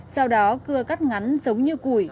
sau đó cưa cắt ngắn giống như củi